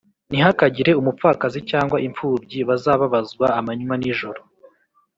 Ntihakagire umupfakazi cyangwa impfubyi bazababazwa amanywa n ijoro